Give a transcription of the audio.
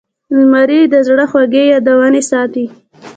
الماري د زړه خوږې یادونې ساتي